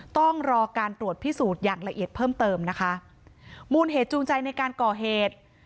ต้องรอการตรวจพิสูจน์อย่างละเอียดเพิ่มเติมนะคะมูลเหตุจูงใจในการก่อเหตุ